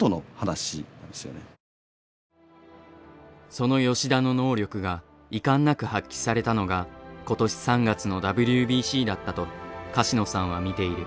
その吉田の能力が遺憾なく発揮されたのが今年３月のＷＢＣだったと柏野さんは見ている。